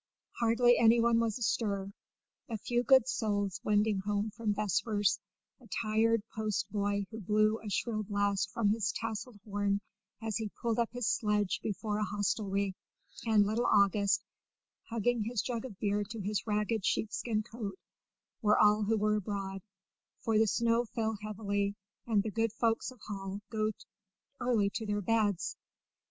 Hardly anyone was astir; a few good souls wending home from vespers, a tired post boy who blew a shrill blast from his tasseled horn as he pulled up his sledge before a hostelry, and little August hugging his jug of beer to his ragged sheepskin coat, were all who were abroad, for the snow fell heavily and the good folks of Hall go early to their beds.